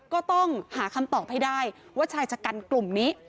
ก็ต้องหาคำตอบให้ได้ว่าชายชะกันกลุ่มนี้